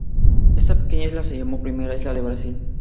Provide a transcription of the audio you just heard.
Esta pequeña isla se llamó primero isla de Brasil.